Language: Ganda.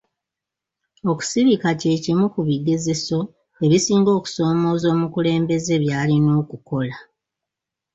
Okusirika kye kimu ku bigezeso ebisinga okusoomooza omukulembeze by'alina okukola.